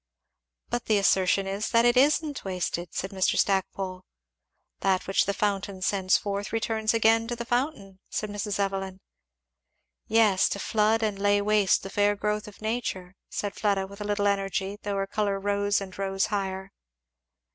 "But the assertion is that it isn't wasted," said Mr. Stackpole. "'That which the fountain sends forth returns again to the fountain,'" said Mrs. Evelyn. "Yes, to flood and lay waste the fair growth of nature," said Fleda with a little energy, though her colour rose and rose higher.